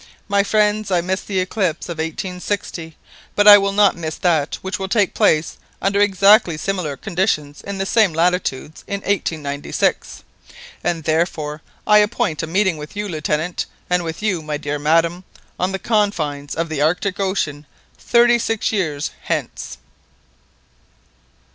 My friends, I missed the eclipse of 1860, but I will not miss that which will take place under exactly similar conditions in the same latitudes in 1896. And therefore I appoint a meeting with you, Lieutenant, and with you, my dear madam, on the confines of the Arctic Ocean thirty six years hence."